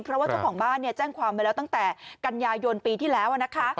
เพราะว่าเจ้าของบ้านเนี่ยแจ้งความไว้แล้วตั้งแต่กันยายนปีที่แล้วนะคะ